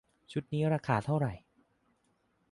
ชุดนี้ราคาเท่าไหร่